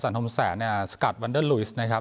ธมแสนเนี่ยสกัดวันเดอร์ลุยสนะครับ